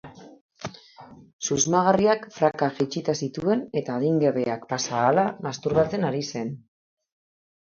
Susmagarriak prakak jaitsita zituen eta adingabeak pasa ahala masturbatzen ari zen.